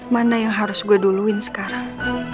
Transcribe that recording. mana yang harus gue duluin sekarang